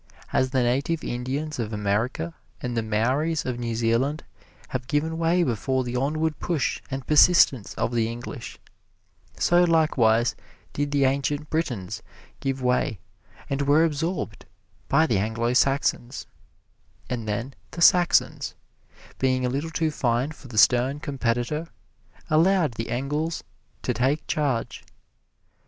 As the native Indians of America and the Maoris of New Zealand have given way before the onward push and persistence of the English, so likewise did the ancient Britons give way and were absorbed by the Anglo Saxons; and then the Saxons, being a little too fine for the stern competitor, allowed the Engles to take charge.